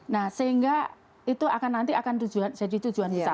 nah sehingga itu nanti akan jadi tujuan wisata